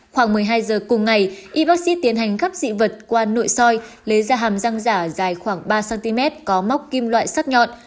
khoảng một mươi hai giờ cùng ngày y bác sĩ tiến hành gắp dị vật qua nội soi lấy ra hàm răng giả dài khoảng ba cm có móc kim loại sắt nhọn